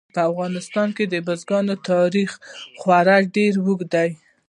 په افغانستان کې د بزګانو تاریخ خورا ډېر اوږد دی.